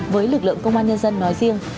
với lực lượng công an nhân dân nói riêng